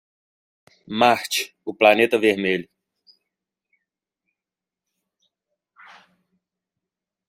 Marte, o Planeta Vermelho.